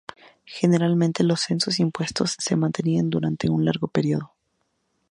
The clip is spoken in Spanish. Generalmente los censos impuestos se mantenían durante un largo período.